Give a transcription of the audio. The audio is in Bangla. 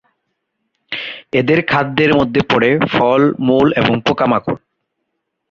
এদের খাদ্যের মধ্যে পরে ফল, মূল এবং পোকামাকড়।